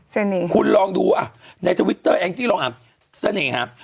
สะเนียวคุณลองดูอ่ะในทวิตเตอร์อันที่ลองอ่ะสะเนียวครับ